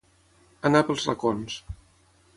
Anar pels racons.